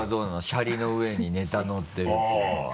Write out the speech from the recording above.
シャリの上にネタのってるっていうのは。